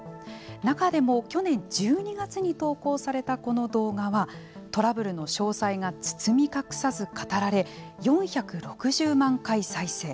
中でも去年１２月に投稿されたこの動画はトラブルの詳細が包み隠さず語られ４６０万回再生。